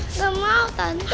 nggak mau tante